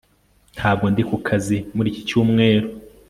Ntabwo ndi ku kazi muri iki cyumweru